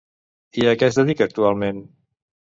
I a què es dedica, actualment?